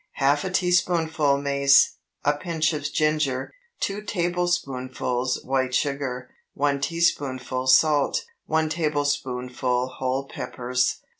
Half a teaspoonful mace. A pinch of ginger. 2 tablespoonfuls white sugar. 1 teaspoonful salt. 1 tablespoonful whole peppers.